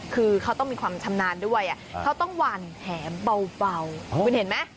คือเขาต้องมีความชำนาญด้วยเขาต้องหวั่นแถมเบาคุณเห็นไหม